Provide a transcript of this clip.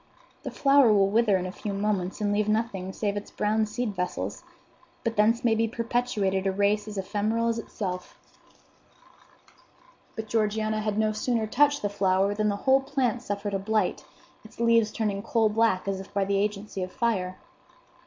The flower will wither in a few moments and leave nothing save its brown seed vessels; but thence may be perpetuated a race as ephemeral as itself." But Georgiana had no sooner touched the flower than the whole plant suffered a blight, its leaves turning coal black as if by the agency of fire.